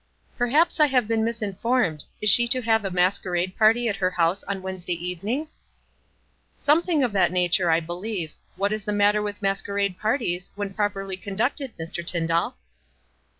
"Perhaps I have been misinformed. Is she to have a masquerade party at her house on Wednesday evening?" " Something of that nature, I believe. What is the matter with masquerade parties, when properly conducted, Mr. Tyndall?"